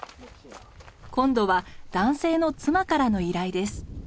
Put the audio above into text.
今度は男性の妻からの依頼です。